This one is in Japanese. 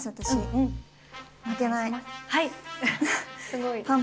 すごい。